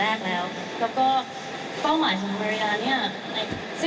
อยากจะรวมพลังของทุกคนมาช่วยมิริยาได้